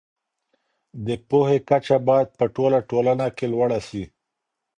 د پوهي کچه بايد په ټوله ټولنه کي لوړه سي.